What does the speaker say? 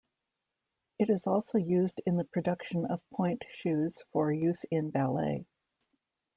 It is also used in the production of pointe shoes for use in ballet.